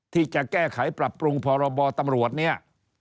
ที่จะแก้ไขปรับปรุงพรบตำรวจเนี่ย